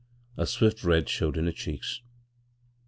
A swift red showed in her cheeks.